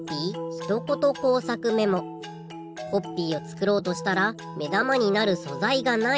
コッピーをつくろうとしたらめだまになるそざいがない。